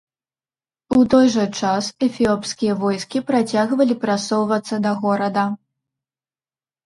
У той жа час, эфіопскія войскі працягвалі прасоўвацца да горада.